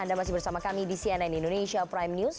anda masih bersama kami di cnn indonesia prime news